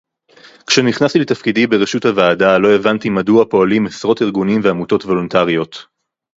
כשנכנסתי לתפקידי בראשות הוועדה לא הבנתי מדוע פועלים עשרות ארגונים ועמותות וולונטריות